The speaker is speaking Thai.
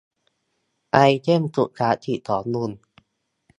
ไอเทมสุดคลาสสิกของหนุ่ม